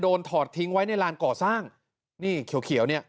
ถอดทิ้งไว้ในลานก่อสร้างนี่เขียวเขียวเนี่ย